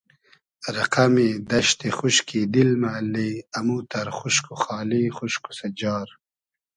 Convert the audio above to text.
رئقئمی دئشتی خوشکی دیل مۂ اللی اموتئر خوشک و خالی خوشک و سئجار